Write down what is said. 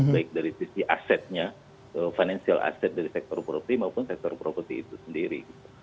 baik dari sisi asetnya financial asset dari sektor properti maupun sektor properti itu sendiri